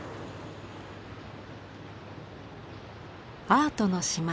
アートの島直島。